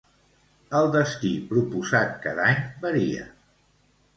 El destí proposat cada any varia.